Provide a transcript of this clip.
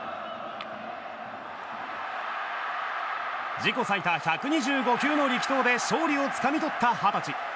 自己最多１２５球の力投で勝利をつかみ取った二十歳。